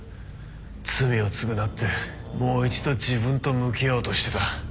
罪を償ってもう一度自分と向き合おうとしてた。